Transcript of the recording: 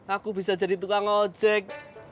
aku bisa jadi tukang ojek